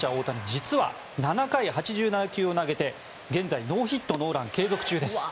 実は７回、８７球を投げて現在ノーヒットノーラン継続中です。